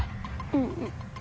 うんうん。